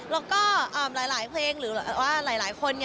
แล้วก็หลายเพลงหรือว่าหลายคน